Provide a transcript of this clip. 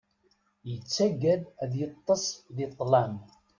Yettagad ad yeṭṭes di ṭṭlam.